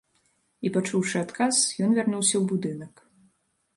І пачуўшы адказ, ён вярнуўся ў будынак.